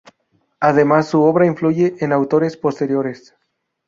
Además su obra influye en autores posteriores.